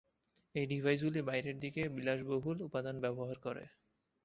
এই ডিভাইসগুলি বাইরের দিকে বিলাসবহুল উপাদান ব্যবহার করে।